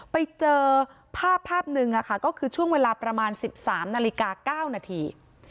ไปเจอภาพภาพหนึ่งก็คือช่วงเวลาประมาณ๑๓นาฬิกา๙นาที